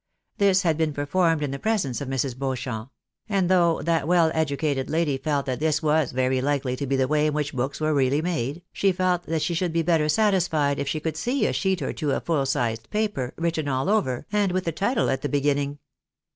This had been performed in the presence of Mrs. Beauchamp ; and though that well educated lady felt that this was very likely to be the way in which books were reaUy made, she felt that she should be better satisfied if she could see a sheet or two of full sized paper, written all over, and with a title at the beginning.